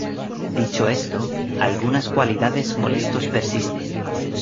Dicho esto, algunas cualidades molestos persisten.